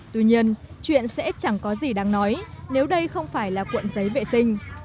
tuy nhiên chuyện sẽ chẳng có gì đáng nói nếu đây không phải là cuộn giấy vệ sinh